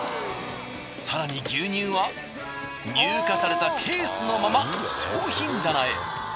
更に牛乳は入荷されたケースのまま商品棚へ。